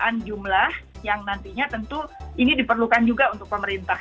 dan itu adalah yang nantinya tentu ini diperlukan juga untuk pemerintah